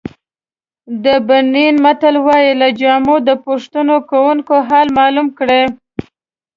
د بنین متل وایي له جامو د پوښتنه کوونکي حال معلوم کړئ.